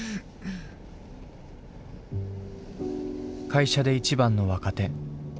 会社で一番の若手。